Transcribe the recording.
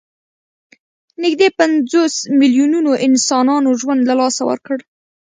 نږدې پنځوس میلیونو انسانانو ژوند له لاسه ورکړ.